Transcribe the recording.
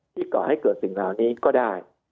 ก่อให้เกิดสิ่งเหล่านี้ก็ได้